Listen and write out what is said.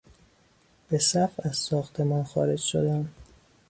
به صف از ساختمان خارج شدن